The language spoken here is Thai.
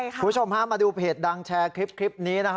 คุณผู้ชมห้ามมาดูเพจดังแชร์คลิปนี้นะครับ